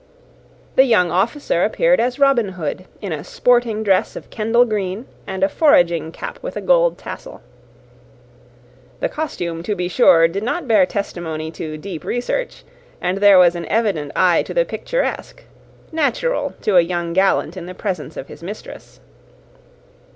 The young officer appeared as Robin Hood, in a sporting dress of Kendal green and a foraging cap with a gold tassel. The costume, to be sure, did not bear testimony to deep research, and there was an evident eye to the picturesque, natural to a young gallant in the presence of his mistress.